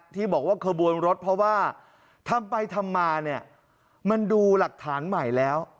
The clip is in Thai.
ที่บอกว่าขบวนรถเพราะว่าทำไปทำมาเนี่ยมันดูหลักฐานใหม่แล้ว